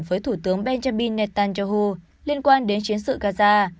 với thủ tướng benjamin netanyahu liên quan đến chiến sự gaza